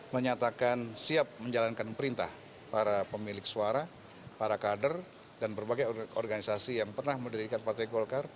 menyatakan siap menjalankan perintah para pemilik suara para kader dan berbagai organisasi yang pernah mendirikan partai golkar